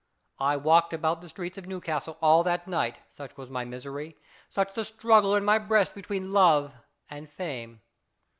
I walked about the streets of Newcastle all that night, such was my misery, such the struggle in my breast between love and fame.